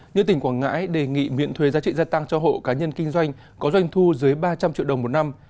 như tỉnh quảng ngãi đề nghị miễn thuế giá trị gia tăng cho hộ cá nhân kinh doanh có doanh thu dưới ba trăm linh triệu đồng một năm